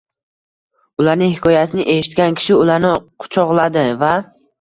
Ularning hikoyasini eshitgan kishi ularni quchoqladi va